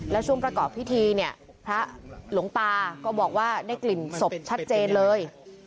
และช่วงประกอบพิธีเนี่ยพระหลวงตาก็บอกว่าได้กลิ่นศพชัดเจนเลย